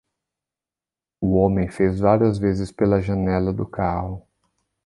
O homem fez várias vezes pela janela do carro.